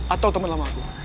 atau temen lama aku